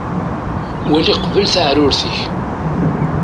Wali qbel taɛrurt-ik.